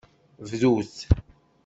Bdut.